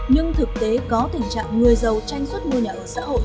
nhưng thực tế có tình trạng người giàu tranh xuất mua nhà ở xã hội